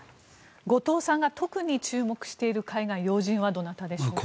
後藤さんが特に注目している海外要人はどなたでしょうか？